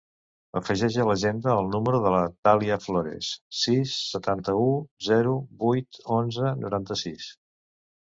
Afegeix a l'agenda el número de la Thàlia Flores: sis, setanta-u, zero, vuit, onze, noranta-sis.